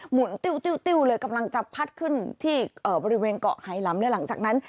หมุนติวติวติวเลยกำลังจะพัดขึ้นที่เอ่อบริเวณเกาะไฮลัมและหลังจากนั้น